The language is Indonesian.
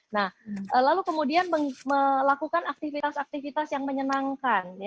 nah lalu kemudian melakukan aktivitas aktivitas yang menyenangkan